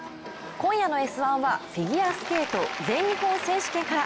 今夜の「Ｓ☆１」はフィギュアスケート全日本選手権から。